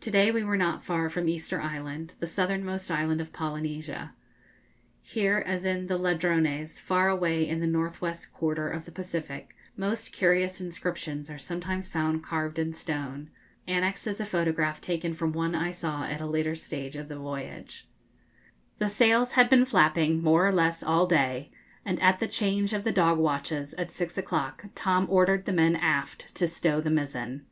To day we were not far from Easter Island, the southernmost island of Polynesia. Here as in the Ladrones, far away in the north west quarter of the Pacific, most curious inscriptions are sometimes found carved in stone. Annexed is a photograph taken from one I saw at a later stage of the voyage. [Illustration: Inscription from Easter Island] The sails had been flapping, more or less, all day, and at the change of the dog watches, at six o'clock, Tom ordered the men aft to stow the mizen.